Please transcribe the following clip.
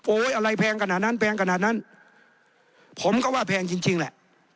โอ้ยอะไรแพงกนาดนั้นแพงกนาดนั้นผมก็ว่าแพงจริงแหละ